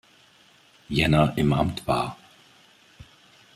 Jänner im Amt war.